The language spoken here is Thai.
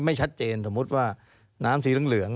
ไม่ชัดเจนสมมุติว่าน้ำสีเหลือง